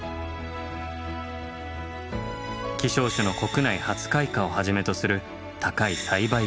希少種の国内初開花をはじめとする高い栽培技術。